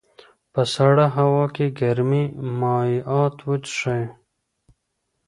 په سړه هوا کې ګرمې مایعات وڅښئ.